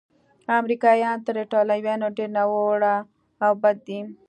امریکایان تر ایټالویانو ډېر ناوړه او بد دي.